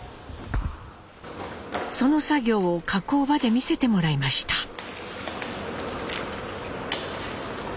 その作業を加工場で見せてもらいました。